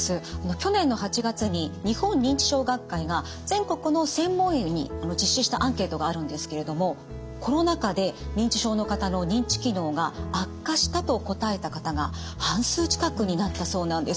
去年の８月に日本認知症学会が全国の専門医に実施したアンケートがあるんですけれどもコロナ禍で認知症の方の認知機能が悪化したと答えた方が半数近くになったそうなんです。